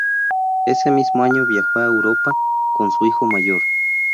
Ese mismo año viajó a Europa con su hijo mayor.